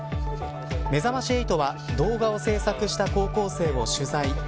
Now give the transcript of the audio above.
めざまし８は動画を制作した高校生を取材。